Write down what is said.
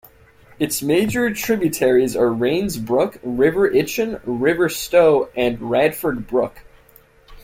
Its major tributaries are Rains Brook, River Itchen, River Stowe and Radford Brook.